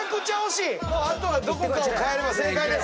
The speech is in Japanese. あとはどこかを変えれば正解です。